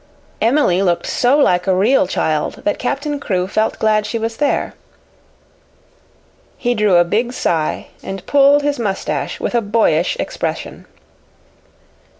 Emily looked so like a real child that Captain Crewe felt glad she was there. He drew a big sigh and pulled his mustache with a boyish expression.